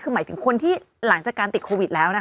คุณผู้ชมขายังจริงท่านออกมาบอกว่า